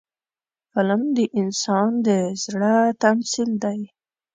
فلم د انسان د زړه تمثیل دی